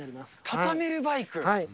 タタメルバイク？